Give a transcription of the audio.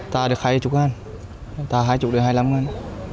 ta được hai mươi ngàn ta hai mươi được hai mươi năm ngàn